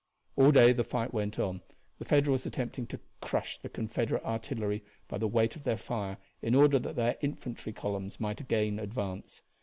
All day the fight went on, the Federals attempting to crush the Confederate artillery by the weight of their fire in order that their infantry columns might again advance.